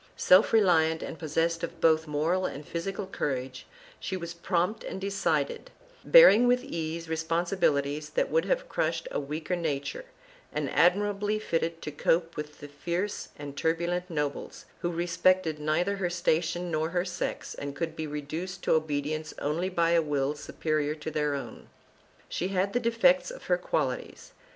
Self reliant and possessed of both moral and physical courage, she was prompt and decided, bearing with ease responsibilities that would have crushed a weaker nature and admirably fitted to cope with the fierce and turbulent nobles, who respected neither her station nor her sex and could be reduced to obedience only by a will superior to their own. She had the defects of her quali ties.